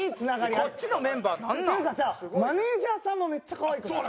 こっちのメンバーなんなん？っていうかさマネージャーさんもめっちゃ可愛くない？